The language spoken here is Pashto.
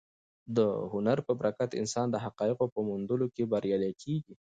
د هنر په برکت انسان د حقایقو په موندلو کې بریالی کېږي.